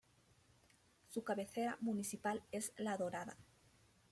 Su cabecera municipal es La Dorada.